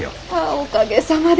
おかげさまで。